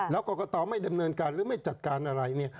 แล้วกรกตไม่เดิมเนินการหรือไม่จัดการอะไร